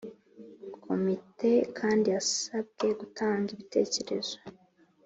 Komite kandi yasabwe gutanga ibitekerezo